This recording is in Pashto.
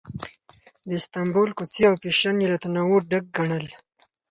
د استانبول کوڅې او فېشن یې له تنوع ډک ګڼل.